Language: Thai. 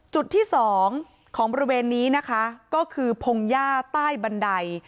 จุดที่สองของบริเวณนี้นะคะก็คือพงหญ้าใต้บันได